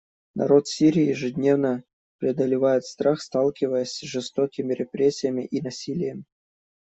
Народ Сирии ежедневно преодолевает страх, сталкиваясь с жестокими репрессиями и насилием.